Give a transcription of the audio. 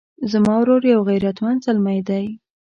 زما ورور یو غیرتمند زلمی ده